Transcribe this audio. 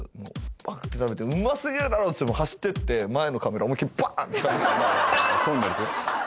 パクって食べて「うますぎるだろ」っつって走ってって前のカメラ思いっきりバーンって倒してとんねるず？